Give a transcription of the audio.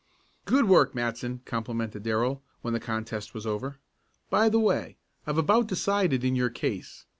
"Good work, Matson," complimented Darrell, when the contest was over. "By the way, I've about decided in your case.